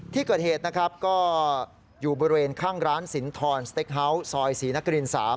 ที่เกิดเหตุนะครับก็อยู่บริเวณข้างร้านสินทรสเต็กเฮาส์ซอยศรีนคริน๓